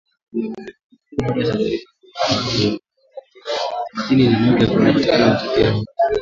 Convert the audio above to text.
Inakuja baada ya Saudi Arabia kuwaua watu thema nini na moja waliopatikana na hatia ya uhalifu